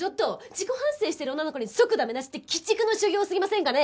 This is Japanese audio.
自己反省してる女の子に即ダメ出しって鬼畜の所業すぎませんかね？